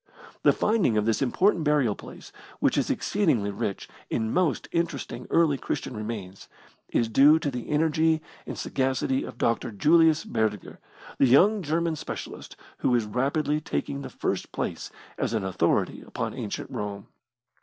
The finding of this important burial place, which is exceedingly rich in most interesting early Christian remains, is due to the energy and sagacity of Dr. Julius Burger, the young German specialist, who is rapidly taking the first place as an authority upon ancient Rome.